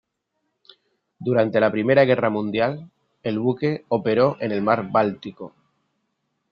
Durante la Primera Guerra Mundial, el buque operó en el mar Báltico.